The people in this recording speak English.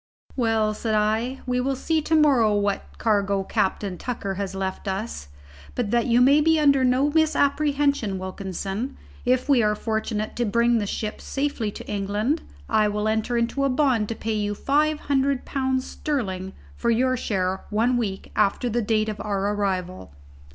"Well," said I, "we will see to morrow what cargo Captain Tucker has left us. But that you may be under no misapprehension, Wilkinson, if we are fortunate enough to bring the ship safely to England, I will enter into a bond to pay you five hundred pounds sterling for your share one week after the date of our arrival."